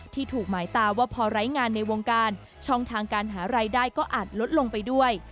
ถูกหมายตาว่าพอไร้งานในวงการช่องทางการหารายได้ก็อาจลดลงไปด้วย